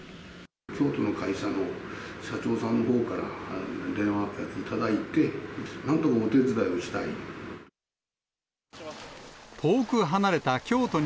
京都の会社の社長さんのほうから、電話いただいて、なんとかお手伝いをしたいと。